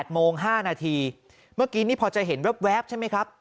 โมง๕นาทีเมื่อกี้นี่พอจะเห็นแว๊บใช่ไหมครับ